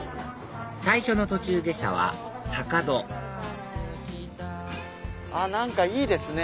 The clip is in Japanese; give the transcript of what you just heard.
最初の途中下車は坂戸何かいいですね。